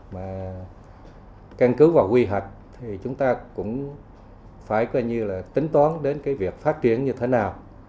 mà căn cứ vào quy hạch thì chúng ta cũng phải tính toán đến việc phát triển như thế nào